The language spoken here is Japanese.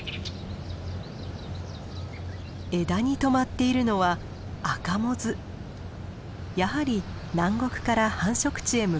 枝にとまっているのはやはり南国から繁殖地へ向かう途中です。